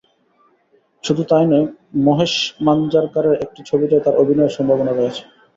শুধু তা-ই নয়, মহেশ মাঞ্জারকারের একটি ছবিতেও তাঁর অভিনয়ের সম্ভাবনা রয়েছে।